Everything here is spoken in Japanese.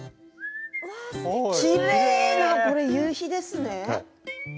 きれいな夕日ですね。